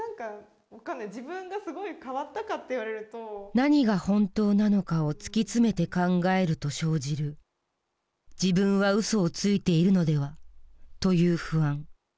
何が本当なのかを突き詰めて考えると生じる「自分は嘘をついているのでは」という不安。